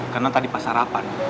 karena tadi pas harapan